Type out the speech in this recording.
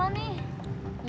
gak papa ditinggal lama